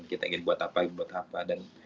kita ingin buat apa buat apa